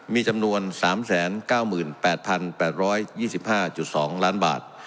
มีจำนวน๓๙๘๘๒๕๒ล้านบาท